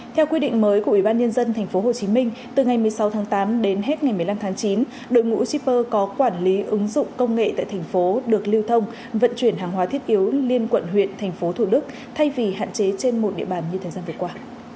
theo quy định mới của ủy ban nhân dân tp hcm từ ngày một mươi sáu tháng tám đến hết ngày một mươi năm tháng chín đội ngũ shipper có quản lý ứng dụng công nghệ tại thành phố được lưu thông vận chuyển hàng hóa thiết yếu liên quận huyện thành phố thủ đức thay vì hạn chế trên một địa bàn như thời gian vừa qua